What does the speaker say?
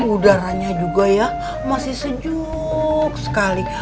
udaranya juga ya masih sejuk sekali